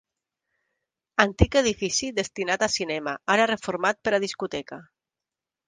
Antic edifici destinat a cinema ara reformat per a discoteca.